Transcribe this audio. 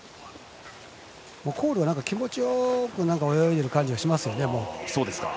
コールは気持ちよく泳いでる感じがしますね。